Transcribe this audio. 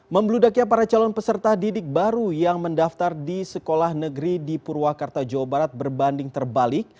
membeludaknya para calon peserta didik baru yang mendaftar di sekolah negeri di purwakarta jawa barat berbanding terbalik